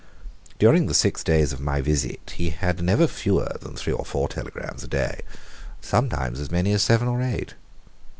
During the six days of my visit he had never fewer than three or four telegrams a day, and sometimes as many as seven or eight.